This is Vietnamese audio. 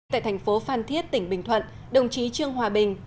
tại thành phố phan thiết tỉnh bình thuận đồng chí trương hòa bình